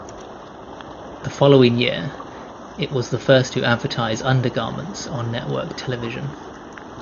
The following year, it was the first to advertise under-garments on network television.